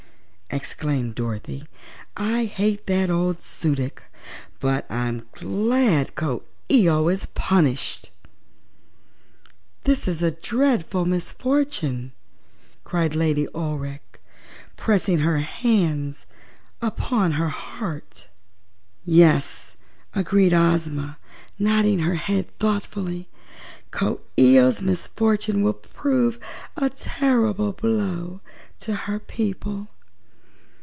exclaimed Dorothy. "I hate that old Su dic, but I'm glad Coo ee oh is punished." "This is a dreadful misfortune!" cried Lady Aurex, pressing her hands upon her heart. "Yes," agreed Ozma, nodding her head thoughtfully; "Coo ee oh's misfortune will prove a terrible blow to her people."